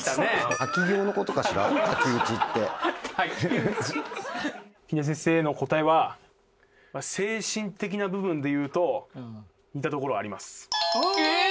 滝うち金田一先生の答えは精神的な部分でいうと似たところありますええ！？